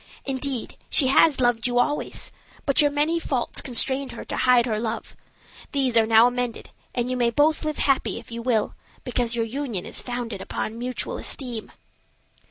Indeed, she has loved you always, but your many faults constrained her to hide her love. These are now amended, and you may both live happy if you will, because your union is founded upon mutual esteem."